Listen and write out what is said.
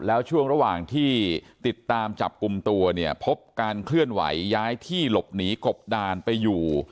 แล้วช่วงระหว่างที่ติดตามจับกลุ่มตัวเนี่ยพบการเคลื่อนไหวย้ายที่หลบหนีกบดานไปอยู่